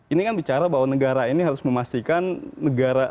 ini kan bicara bahwa negara ini harus memastikan negara